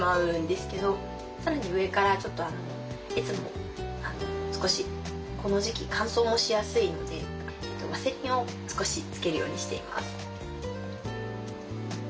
更に上からこの時期乾燥もしやすいのでワセリンを少しつけるようにしています。